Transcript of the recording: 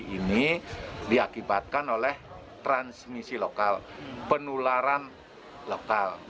ini diakibatkan oleh transmisi lokal penularan lokal